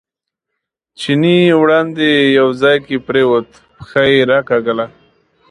چیني وړاندې یو ځای کې پرېوت، پښه یې راکاږله.